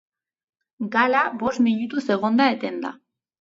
Gala bost minutuz egon da etenda.